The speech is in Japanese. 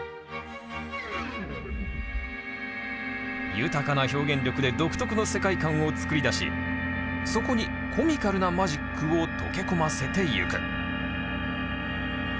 豊かな表現力で独特の世界観を作り出しそこにコミカルなマジックを溶け込ませてゆく。